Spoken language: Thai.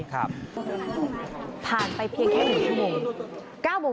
พาไปเพียงแค่หนึ่งชั่วโมง